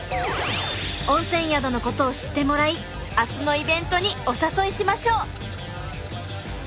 温泉宿のことを知ってもらい明日のイベントにお誘いしましょう。